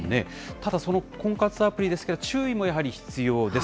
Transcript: ただ、その婚活アプリですけれども、注意もやはり必要です。